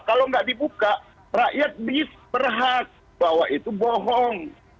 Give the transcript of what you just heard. kalau nggak dibuka rakyat disperhat bahwa itu bohong